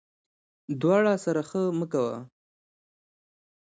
ـ د واړه سره ښه مه کوه ،